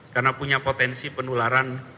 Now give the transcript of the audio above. karena punya potensi penularan